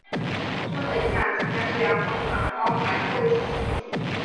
重症下其他治疗方法包含透析及。